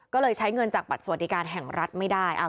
ก็เลยใช้เงินจากบัตรสวัสดิการแห่งรัฐไม่ได้